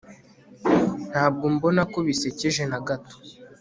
ntabwo mbona ko bisekeje na gato